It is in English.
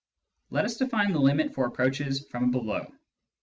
Let us define the limit for approaches from below.